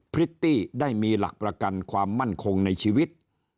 พริตตี้ได้มีหลักประกันความมั่นคงในชีวิต